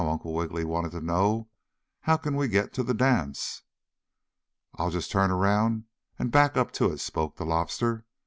Uncle Wiggily wanted to know. "How can we get to the dance?" "I'll just turn around and back up to it," spoke the Lobster.